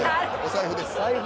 財布です。